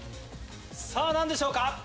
さぁ何でしょうか？